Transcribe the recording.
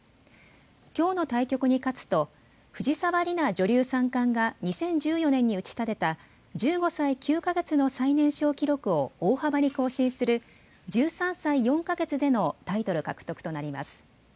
きょうの対局に勝つと藤沢里菜女流三冠が２０１４年に打ち立てた１５歳９か月の最年少記録を大幅に更新する１３歳４か月でのタイトル獲得となります。